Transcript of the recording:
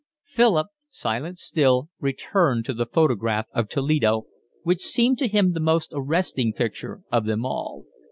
Philip, silent still, returned to the photograph of Toledo, which seemed to him the most arresting picture of them all.